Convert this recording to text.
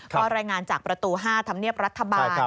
ก็รายงานจากประตู๕ธรรมเนียบรัฐบาล